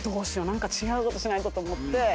何か違うことしないとと思って。